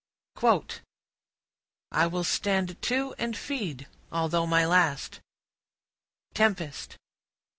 I will stand to and feed, Although my last. —Tempest.